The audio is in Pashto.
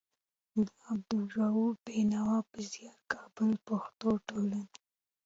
د عبدالروف بېنوا په زيار. کابل: پښتو ټولنه